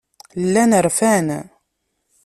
Llan rfan.